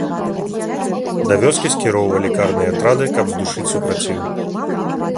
Да вёскі скіроўвалі карныя атрады, каб здушыць супраціў.